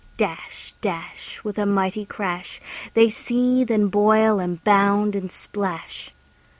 Dash, dash, With a mighty crash, They seethe, and boil, and bound, and splash.